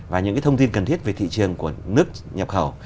và những cái thông tin cần thiết về thị trường của nước nhập khẩu